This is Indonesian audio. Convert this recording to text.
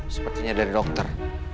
sepertinya dari dokter